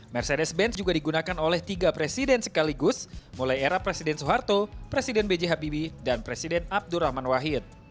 mercedes benz juga digunakan oleh tiga presiden sekaligus mulai era presiden soeharto presiden b j habibie dan presiden abdurrahman wahid